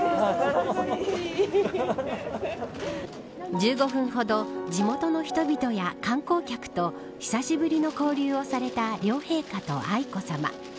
１５分ほど、地元の人々や観光客と久しぶりの交流をされた両陛下と愛子さま。